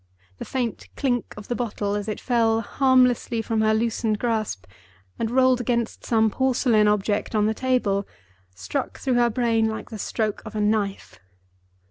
The faint clink of the bottle, as it fell harmlessly from her loosened grasp and rolled against some porcelain object on the table, struck through her brain like the stroke of a knife.